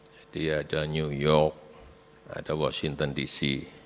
jadi ada new york ada washington dc